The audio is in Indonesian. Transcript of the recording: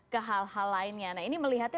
ke hal hal lainnya nah ini melihatnya